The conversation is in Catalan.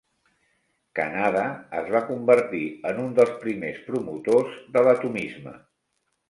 Kanada es va convertir en un dels primers promotors de l'atomisme.